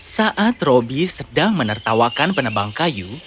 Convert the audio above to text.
saat roby sedang menertawakan penebang kayu